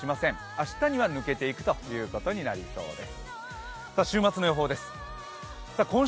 明日には抜けていくことになりそうです。